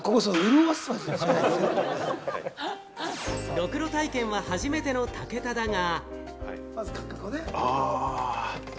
ろくろ体験は初めての武田だが。